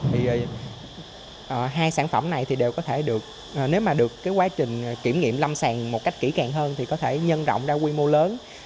thì hai sản phẩm này thì đều có thể được nếu mà được cái quá trình kiểm nghiệm lâm sàng một cách kỹ càng hơn thì có thể nhân rộng ra quy mô lớn